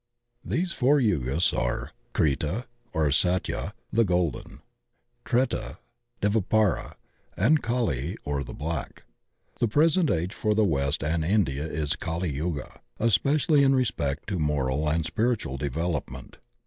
These four Yugas are: Krita, or Satya, the golden; Treta; Dvapara; and Kali or Ae black. The present age for the West and India is Kali Yuga, especially in respect to moral and spiritual develop ment.